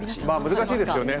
難しいですよね。